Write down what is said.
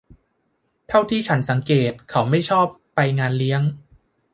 เท่าที่ฉันสังเกตเขาไม่ชอบไปงานเลี้ยง